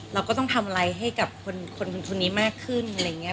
เราก็ต้องทำอะไรให้กับคนนี้มากขึ้นอะไรอย่างนี้